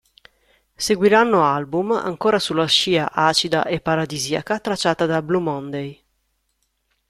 Seguiranno album ancora sulla scia acida e paradisiaca tracciata da "Blue Monday".